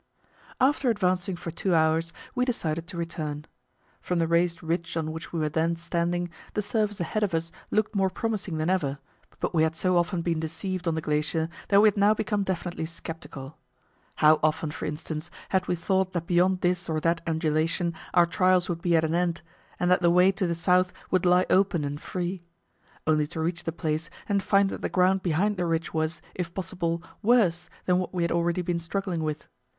After advancing for two hours, we decided to return. From the raised ridge on which we were then standing, the surface ahead of us looked more promising than ever; but we had so often been deceived on the glacier that we had now become definitely sceptical. How often, for instance, had we thought that beyond this or that undulation our trials would be at an end, and that the way to the south would lie open and free; only to reach the place and find that the ground behind the ridge was, if possible, worse than what we had already been struggling with.